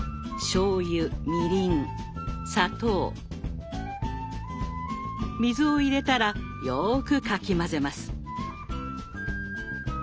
しょうゆみりん砂糖水を入れたらよくかき混ぜます。